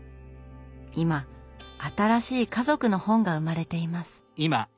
今新しい家族の本が生まれています。